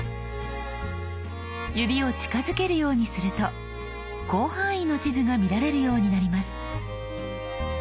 指を近づけるようにすると広範囲の地図が見られるようになります。